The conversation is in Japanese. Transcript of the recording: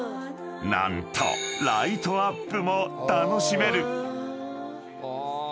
［何とライトアップも楽しめる］